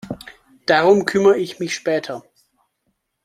Darum kümmere ich mich später.